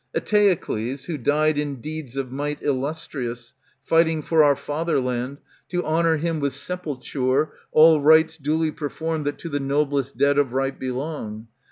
Eteocles, who died in deeds of might Illustrious, fighting for our fatherland, To honour him with sepulture, all rites Duly performed that to the noblest dead Of right belong.